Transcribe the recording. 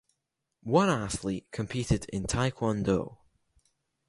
One athlete competed in Taekwondo.